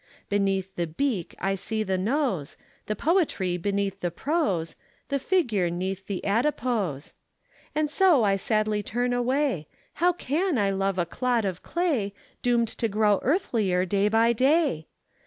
Beneath the beak I see the nose, The poetry beneath the prose, The figure 'neath the adipose. And so I sadly turn away: How can I love a clod of clay, Doomed to grow earthlier day by day?